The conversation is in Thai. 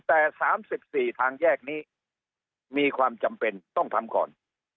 แต่๓๔ทางแยกนี้มีความจำเป็นต้องทำก่อน